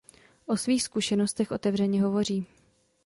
O svých zkušenostech otevřeně hovoří.